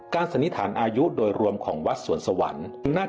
สันนิษฐานอายุโดยรวมของวัดสวนสวรรค์